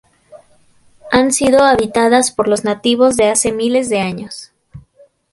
Han sido habitadas por los nativos de hace miles de años.